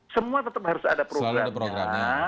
semua tetap harus ada programnya